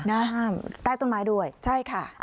น่ะได้ต้นไม้ด้วยใช่ค่ะ